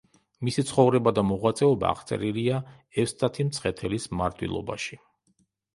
მისი ცხოვრება და მოღვაწეობა აღწერილია „ევსტათი მცხეთელის მარტვილობაში“.